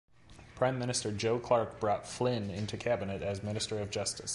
Prime Minister Joe Clark brought Flynn into Cabinet as Minister of Justice.